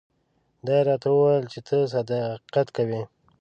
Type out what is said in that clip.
دا یې راته وویل چې ته صداقت کوې.